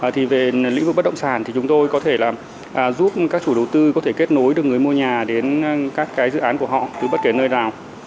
thì về lĩnh vực bất động sản thì chúng tôi có thể là giúp các chủ đầu tư có thể kết nối được người mua nhà đến các cái dự án của họ từ bất kể nơi nào